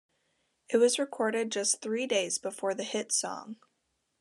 It was recorded just three days before the hit song.